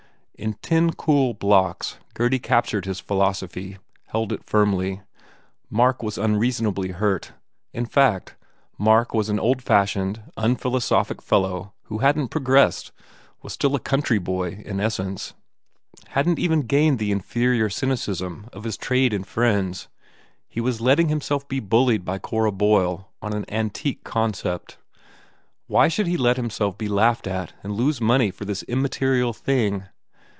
In ten cool blocks Gurdy captured his philosophy, held it firmly; Mark was unreasonably hurt in fact, Mark was an old fashioned, unphilosophic fellow who hadn t progressed, was still a country boy in essence, hadn t even gained the inferior 275 THE FAIR REWARDS cynicism of his trade and friends. He was letting himself be bullied by Cora Boyle on an antique concept. Why should he let himself be laughed at and lose money for this immaterial thing?